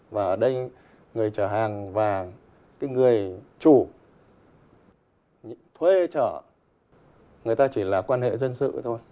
và ở đây người chở hàng và cái người chủ thuê trở người ta chỉ là quan hệ dân sự thôi